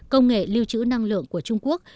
công nghệ lưu trữ năng lượng của trung quốc